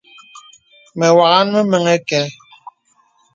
Me wàŋhaŋ me meŋhī kɛ̄.